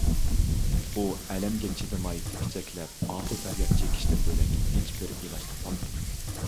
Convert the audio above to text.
ئۇ ئەلەمگە چىدىماي تېپچەكلەپ ئاھۇپەرياد چېكىشتىن بۆلەك ھېچبىر ئىلاج تاپالمىدى.